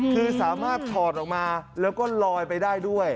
คือสามารถถอดออกมาแล้วก็ลอยไปได้ด้วย